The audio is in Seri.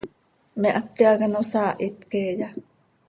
¿Me háqui hac ano saahit queeya?